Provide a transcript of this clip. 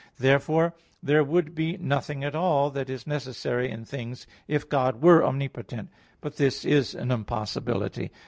Therefore there would be nothing at all that is necessary in things if God were omnipotent. But this is an impossibility.